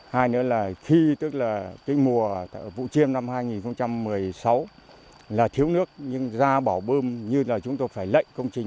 hai nữa là khi tức là cái mùa vụ chiêng năm hai nghìn một mươi sáu là thiếu nước nhưng ra bỏ bơm như là chúng tôi phải lệnh công trình